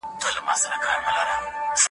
موږ به پورته کړو اوږده څانګه په دواړو `